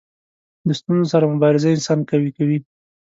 د ستونزو سره مبارزه انسان قوي کوي.